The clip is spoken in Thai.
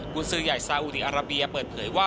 คุณซื้อใหญ่ซาอุดีอาราเบียเปิดเผยว่า